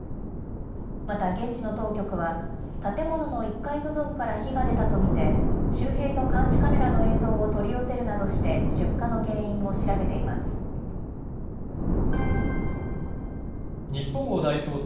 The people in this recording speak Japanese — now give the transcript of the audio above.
また現地の当局は、建物の１階部分から火が出たと見て、周辺の監視カメラの映像を取り寄せるなどして、出火の原因を調べています。